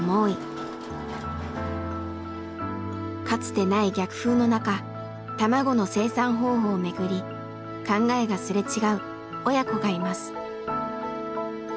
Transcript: かつてない逆風の中卵の生産方法をめぐり考えがすれ違う親子がいます。